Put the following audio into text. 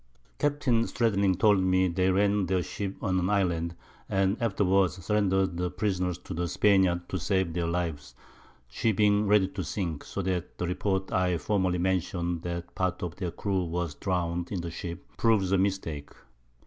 Capt. Stradling told me they ran their Ship on an Island, and afterwards surrendered Prisoners to the Spaniards, to save their Lives, she being ready to sink; so that the Report I formerly mention'd, that part of their Crew was drown'd in the Ship, proves a Mistake.